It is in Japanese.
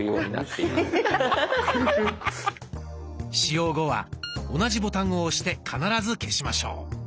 使用後は同じボタンを押して必ず消しましょう。